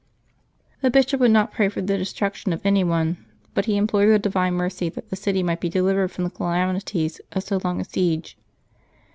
The Bishop would not pray for the destruction of any one, but he implored the Divine Mercy that the city might be delivered from the calamities of so long a siege.